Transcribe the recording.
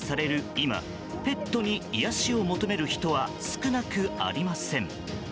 今ペットに癒やしを求める人は少なくありません。